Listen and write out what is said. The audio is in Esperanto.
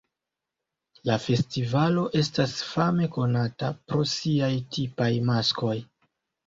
La festivalo estas fame konata pro siaj tipaj maskoj.